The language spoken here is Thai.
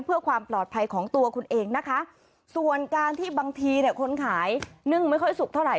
เพื่อความปลอดภัยของตัวคุณเองนะคะส่วนการที่บางทีเนี่ยคนขายนึ่งไม่ค่อยสุกเท่าไห